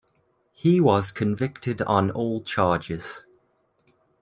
He was convicted on all charges.